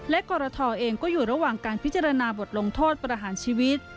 และกรทเองก็อยู่ระหว่างการพิจารณาบทลงโทษประหารชีวิต